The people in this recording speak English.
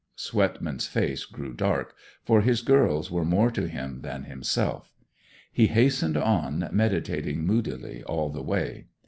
Swetman's face grew dark, for his girls were more to him than himself. He hastened on, meditating moodily all the way.